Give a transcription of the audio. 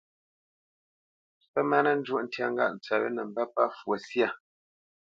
Pə má nə nzhɔ tya ŋgâʼ tsəʼ we nə́ mbə́ pə́ fwo syâ.